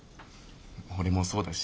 俺もそうだし。